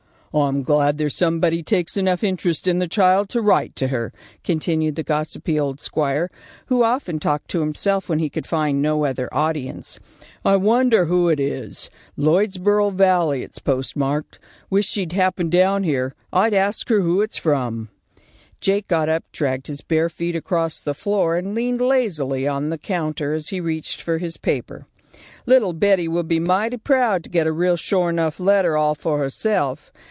"I'm glad there's somebody takes enough interest in the child to write to her," continued the gossipy old squire, who often talked to himself when he could find no other audience. "I wonder who it is. Lloydsboro Valley it's postmarked. Wish she'd happen down here. I'd ask her who it's from." Jake got up, dragged his bare feet across the floor, and leaned lazily on the counter as he reached for his paper. "Little Betty will be mighty proud to get a real shore 'nuff letter all for herself.